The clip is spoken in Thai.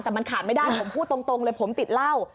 แต่มันขาดไม่ได้ผมพูดตรงเลยผมติดเหล้า